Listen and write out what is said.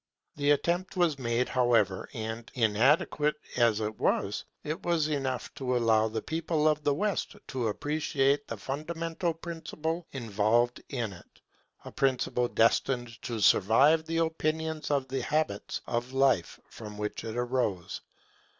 The attempt was made, however; and, inadequate as it was, it was enough to allow the people of the West to appreciate the fundamental principle involved in it, a principle destined to survive the opinions and the habits of life from which it arose.